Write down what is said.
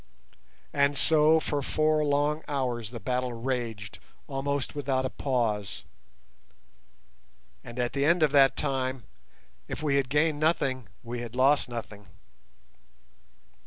And so for four long hours the battle raged almost without a pause, and at the end of that time, if we had gained nothing we had lost nothing.